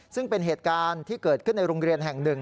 ซึ่งเป็นเหตุการณ์ที่เกิดขึ้นในโรงเรียนแห่งหนึ่ง